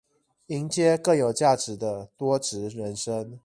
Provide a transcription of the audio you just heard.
迎接更有價值的多職人生